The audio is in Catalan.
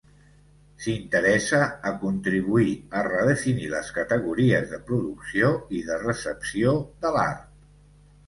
S'interessa a contribuir a redefinir les categories de producció i de recepció de l'art.